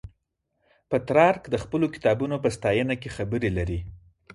پترارک د خپلو کتابونو په ستاینه کې خبرې لري.